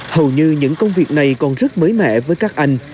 hầu như những công việc này còn rất mới mẻ với các anh